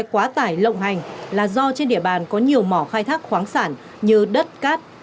quá tải lộng hành là do trên địa bàn có nhiều mỏ khai thác khoáng sản như đất cát